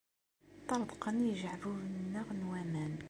Ṭṭerḍqen yijeɛbuben-nneɣ n waman.